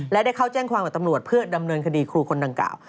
และได้เข้าแจ้งความกับตำรวจเพื่อดำเนินคดีครูคนดังกล่าว